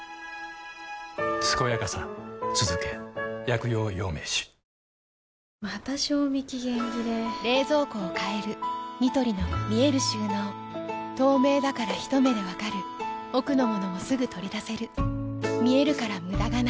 すこやかさつづけ薬用養命酒また賞味期限切れ冷蔵庫を変えるニトリの見える収納透明だからひと目で分かる奥の物もすぐ取り出せる見えるから無駄がないよし。